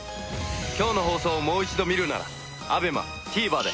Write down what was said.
今日の放送をもう一度見るならＡＢＥＭＡＴＶｅｒで。